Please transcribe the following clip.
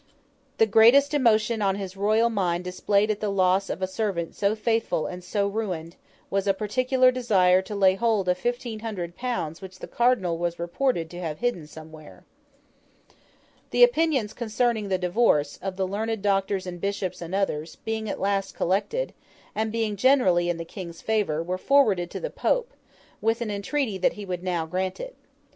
The greatest emotion his royal mind displayed at the loss of a servant so faithful and so ruined, was a particular desire to lay hold of fifteen hundred pounds which the Cardinal was reported to have hidden somewhere. The opinions concerning the divorce, of the learned doctors and bishops and others, being at last collected, and being generally in the King's favour, were forwarded to the Pope, with an entreaty that he would now grant it.